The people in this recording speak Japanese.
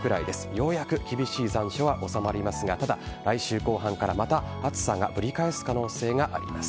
ようやく厳しい残暑は収まりますが来週後半からまた暑さがぶり返す可能性があります。